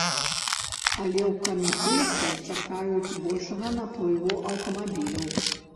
Але ў камітэце чакаюць большага наплыву аўтамабіляў.